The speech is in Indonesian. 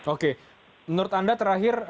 oke menurut anda terakhir